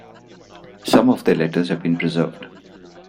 Some of their letters have been preserved.